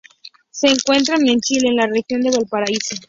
Se encuentra en Chile en la región de Valparaíso.